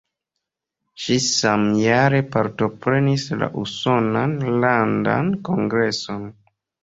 Ŝi samjare partoprenis la usonan landan kongreson.